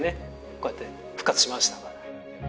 こうやって復活しました。